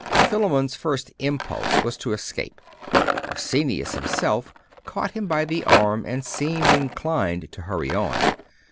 Philammon's first impulse was to escape; Arsenius himself caught him by the arm, and seemed inclined to hurry on.